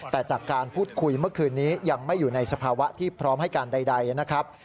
แต่จากการพูดคุยเมื่อคืนนี้ยังไม่อยู่ในสภาวะที่พร้อมให้การใดนะครับ